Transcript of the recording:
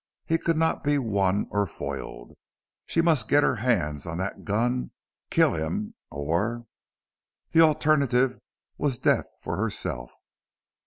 He could not be won or foiled. She must get her hands on that gun kill him or ! The alternative was death for herself.